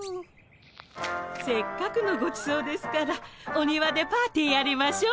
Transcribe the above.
せっかくのごちそうですからお庭でパーティーやりましょう。